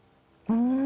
うん！